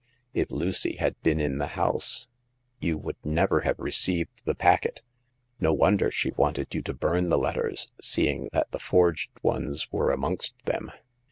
If Lucy had been in the house, you would never have received the packet. No wonder she wanted you to burn the letters, seeing that the forged ones were amongst them.